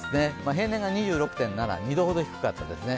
平年が２６．７、２度ほど低かったですね。